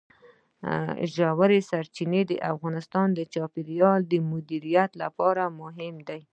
ژورې سرچینې د افغانستان د چاپیریال د مدیریت لپاره مهم دي.